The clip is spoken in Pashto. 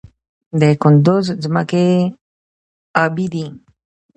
د کندز ځمکې ابي دي